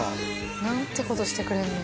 何てことしてくれんねん。